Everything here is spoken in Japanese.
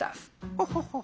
ホホホハ。